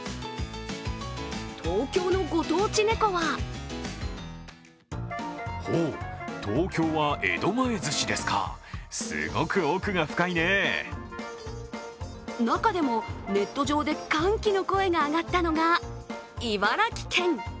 東京のご当地ネコは中でも、ネット上で歓喜の声が上がったのが茨城県。